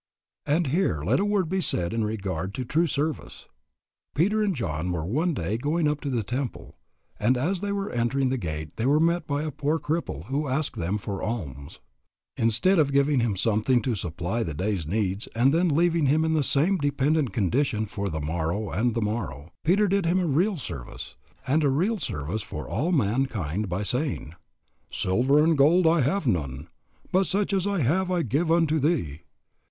And here let a word be said in regard to true service. Peter and John were one day going up to the temple, and as they were entering the gate they were met by a poor cripple who asked them for alms. Instead of giving him something to supply the day's needs and then leaving him in the same dependent condition for the morrow and the morrow, Peter did him a real service, and a real service for all mankind by saying, Silver and gold have I none, but such as I have I give unto thee.